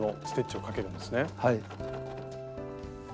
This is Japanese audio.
はい。